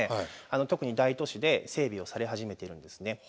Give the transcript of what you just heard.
特に大都市で整備をされ始めているんですね。